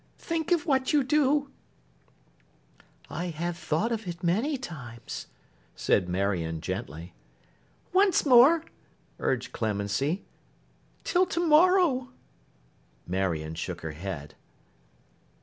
Think of what you do!' 'I have thought of it many times,' said Marion, gently. 'Once more,' urged Clemency. 'Till to morrow.' Marion shook her head.